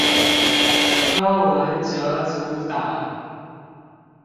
柯文哲組黨